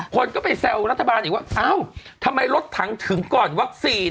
คนก็ไปแซวรัฐบาลอีกว่าอ้าวทำไมรถถังถึงก่อนวัคซีน